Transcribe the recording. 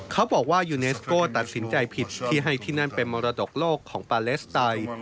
เขาบอกว่ายูเนสโก้ตัดสินใจผิดที่ให้ที่นั่นเป็นมรดกโลกของปาเลสไต